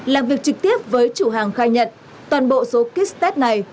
làm việc trực tiếp với chủ hàng khai nhận toàn bộ số kích tết này